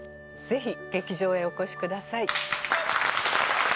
ぜひ劇場へお越しください。